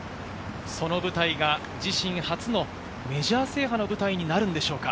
その舞台が自身初のメジャー制覇の舞台になるんでしょうか？